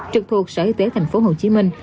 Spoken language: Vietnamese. trực thuộc sở y tế thành phố hồ chí minh